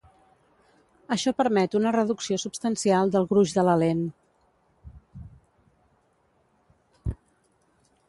Això permet una reducció substancial del gruix de la lent.